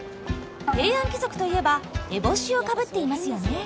平安貴族といえば烏帽子をかぶっていますよね。